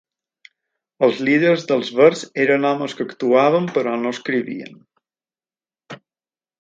"Els líders dels Verds eren homes que actuaven però no escrivien".